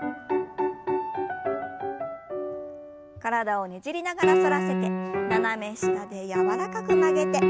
体をねじりながら反らせて斜め下で柔らかく曲げて。